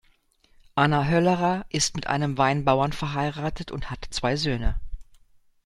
Anna Höllerer ist mit einem Weinbauern verheiratet und hat zwei Söhne.